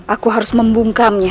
aku harus membungkamnya